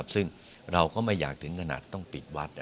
ซึ่งเราก็ไม่อยากถึงขนาดต้องปิดวัด